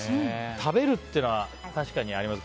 食べるっていうのは確かにありますね。